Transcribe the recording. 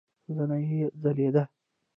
زنه يې ځليدله.